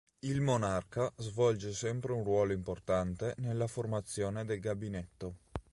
Il monarca svolge sempre un ruolo importante nella formazione del gabinetto.